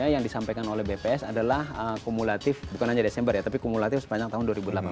yang disampaikan oleh bps adalah kumulatif bukan hanya desember ya tapi kumulatif sepanjang tahun dua ribu delapan belas